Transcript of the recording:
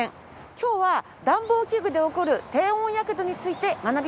今日は暖房器具で起こる低温やけどについて学びます。